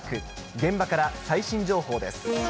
現場から最新情報です。